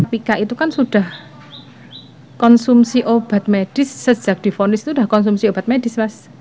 pika itu kan sudah konsumsi obat medis sejak difonis itu sudah konsumsi obat medis mas